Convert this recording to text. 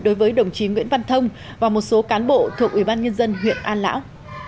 đối với đồng chí nguyễn văn thông và một số cán bộ thuộc ủy ban nhân dân huyện an lão